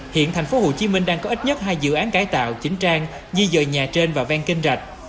hiện tp hcm đang có ít nhất hai dự án cải tạo chính trang di dời nhà trên và ven kênh rạch